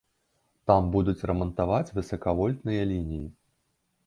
Там будуць рамантаваць высакавольтныя лініі.